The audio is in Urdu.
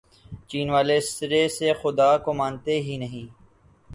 چین والے سرے سے خدا کو مانتے ہی نہیں۔